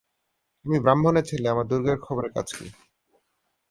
আমি ব্রাহ্মণের ছেলে আমার দুর্গের খবরে কাজ কী।